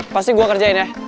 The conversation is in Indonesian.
pasti gue ngerjain ya